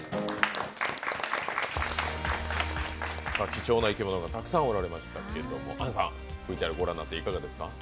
貴重な生き物がたくさんおられましたけど、杏さん、ＶＴＲご覧になっていかがでしたか？